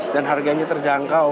dan harganya terjangkau